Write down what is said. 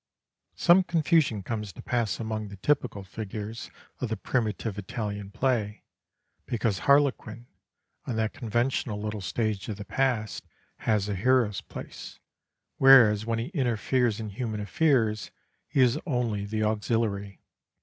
Some confusion comes to pass among the typical figures of the primitive Italian play, because Harlequin, on that conventional little stage of the past, has a hero's place, whereas when he interferes in human affairs he is only the auxiliary.